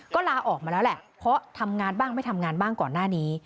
ก็ลาออกมาแล้วแหละเพราะทำงานบ้างไม่ทำงานบ้างก่อนหน้านี้